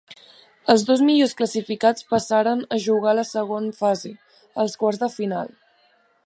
Els dos millors classificats passaren a jugar la segona fase, els quarts de final.